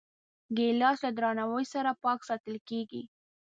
ګیلاس له درناوي سره پاک ساتل کېږي.